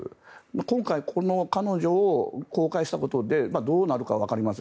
今回、彼女を公開したことでどうなるかはわかりません。